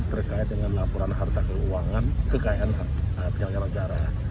terkait dengan laporan harta keuangan kekayaan penyelenggara negara